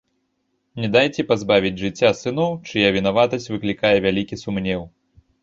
Не дайце пазбавіць жыцця сыноў, чыя вінаватасць выклікае вялікі сумнеў.